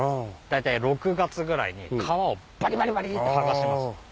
大体６月ぐらいに皮をバリバリバリって剥がします。